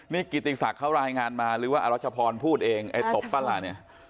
นี่กิติศักดิ์เขารายงานมาหรือว่าอรัชพรพูดเองไอ้ตบป้าล่ะเนี่ย